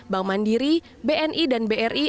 bank mandiri bni dan bri